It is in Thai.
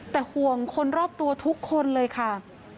แต่ห่วงคนรอบตัวทุกคนเลยค่ะ